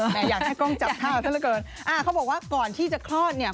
อยากให้กล้องจับภาพซะละเกินอ่าเขาบอกว่าก่อนที่จะคลอดเนี่ย